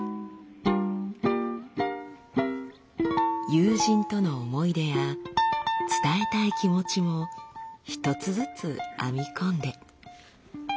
友人との思い出や伝えたい気持ちも一つずつ編み込んで。